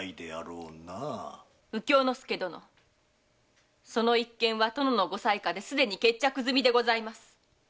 右京亮殿その一件は殿のご裁可ですでに決着ずみでございます。